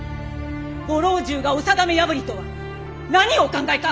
ご老中がお定め破りとは何をお考えか！